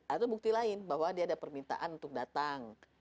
atau bukti lain bahwa dia ada permintaan untuk datang